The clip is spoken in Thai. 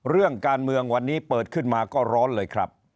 เรื่องการเมืองวันนี้เปิดขึ้นมาก็ร้อนเลยครับ